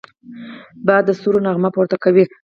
باد د ستورو نغمه پورته کوي